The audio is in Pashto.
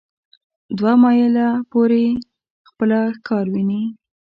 دوه مایله پورې خپل ښکار ویني.